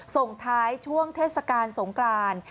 ส่งท้ายช่วงเทศกาลสงกราน